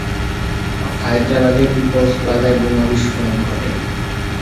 হায়দ্রাবাদের পিপলস প্লাজায় বোমা বিস্ফোরণ ঘটে।